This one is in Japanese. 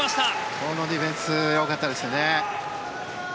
このディフェンスよかったですね。